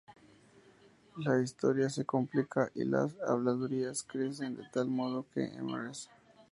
La historia se complica y las habladurías crecen de tal modo, que Mrs.